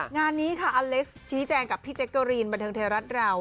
งานนี้ค่ะอเล็กซ์ชี้แจงกับพี่แจ๊กเกอรีนบันเทิงไทยรัฐเรา